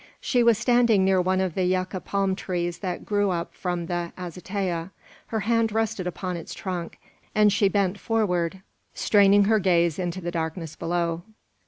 She was standing near one of the yucca palm trees that grew up from the azotea. Her hand rested upon its trunk, and she bent forward, straining her gaze into the darkness below.